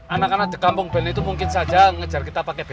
anak anak di kampung band itu mungkin saja ngejar kita pake band